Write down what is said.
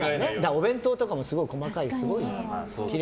お弁当とかもすごい細かい。